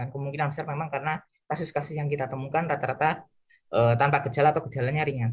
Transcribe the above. kemungkinan besar memang karena kasus kasus yang kita temukan rata rata tanpa gejala atau gejalanya ringan